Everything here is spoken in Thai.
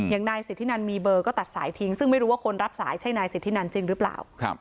อย่างนายสิทธินันมีเบอร์ก็ตัดสายทิ้งซึ่งไม่รู้ว่าคนรับสายใช่นายสิทธินันจริงหรือเปล่า